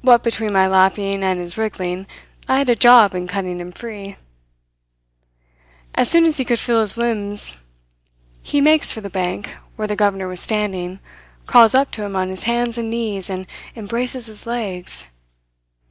What between my laughing and his wriggling, I had a job in cutting him free. As soon as he could feel his limbs he makes for the bank, where the governor was standing, crawls up to him on his hands and knees, and embraces his legs.